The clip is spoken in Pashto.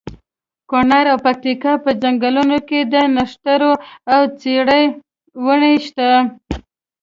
کونړ او پکتیا په ځنګلونو کې د نښترو او څېړۍ ونې شته.